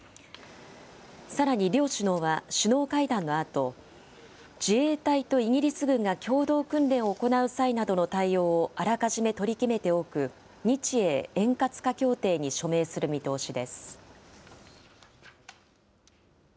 さらに両首脳は、首脳会談のあと、自衛隊とイギリス軍が共同訓練を行う際などの対応をあらかじめ取り決めておく、日英円滑化協定に署名する見通しです。